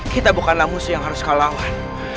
kita bukanlah musuh yang harus kau lawan